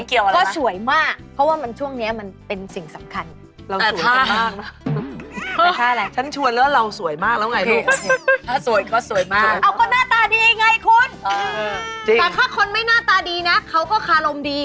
ก็สวยมากเพราะว่าช่วงนี้มันเป็นสิ่งสำคัญ